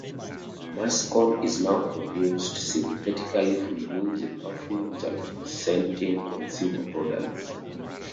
Muscone is now produced synthetically for use in perfumes and for scenting consumer products.